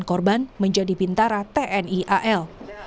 lima korban menjadi bintara tni al